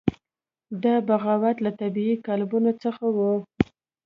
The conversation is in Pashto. دا بغاوت له طبیعي قالبونو څخه وو.